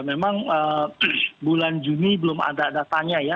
memang bulan juni belum ada datanya ya